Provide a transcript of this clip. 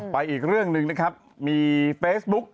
อีกเรื่องหนึ่งนะครับมีเฟซบุ๊ก